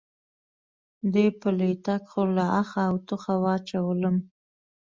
دې پلی تګ خو له آخه او ټوخه واچولم.